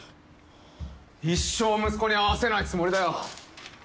一生息子に会わせないつもりだよ！